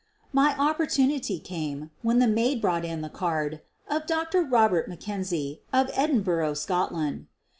My opportunity came when the maid brought in the card of "Dr. Eobert Mackenzie, of Edinburgh, Scotland."